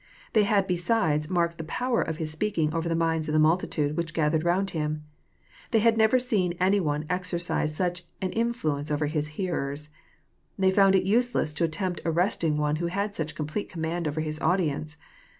— They had besides marked the power of His speaking over the minds of the multitude which gathered round Him. They had never seen any one ex ercise such an Influence over His hearers. They felt it useless to attempt arresting one who had such complete command over His audience.